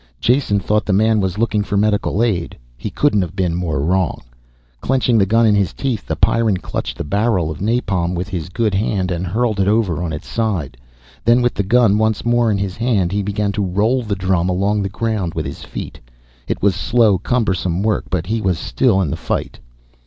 Jason thought the man was looking for medical aid. He couldn't have been more wrong. Clenching the gun in his teeth, the Pyrran clutched a barrel of napalm with his good hand and hurled it over on its side. Then, with the gun once more in his hand, he began to roll the drum along the ground with his feet. It was slow, cumbersome work, but he was still in the fight.